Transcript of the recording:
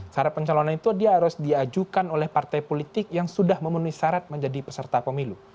syarat pencalonan itu dia harus diajukan oleh partai politik yang sudah memenuhi syarat menjadi peserta pemilu